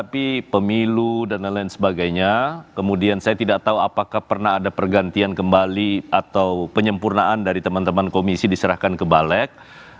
tapi pemilu dan lain lain sebagainya kemudian saya tidak tahu apakah pernah ada pergantian kembali atau penyempurnaan dari teman teman komisi diserahkan ke balek